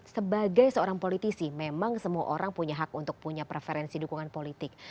sebagai seorang politisi memang semua orang punya hak untuk punya preferensi dukungan politik